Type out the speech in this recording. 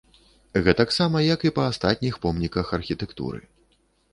Гэтаксама як і па астатніх помніках архітэктуры.